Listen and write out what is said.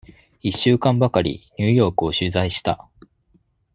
一週間ばかり、ニューヨークを取材した。